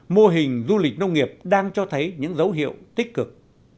mô hình du lịch nông nghiệp đang cho thấy những dấu hiệu tích cực